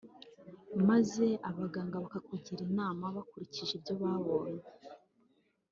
maze abaganga bakakugira inama bakurikije ibyo babonye